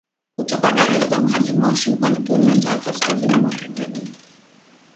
Kutoka Dar es salaam hadi Moshi mkoani Kilimanjaro kaskazini mwa Tanzania